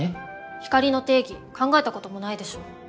光の定義考えたこともないでしょ？